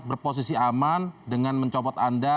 berposisi aman dengan mencopot anda